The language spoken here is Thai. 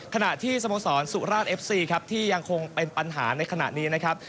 ขณะที่สโมสรสุราชเอฟซีครับที่ยังคงเป็นปัญหาในขณะนี้นะครับ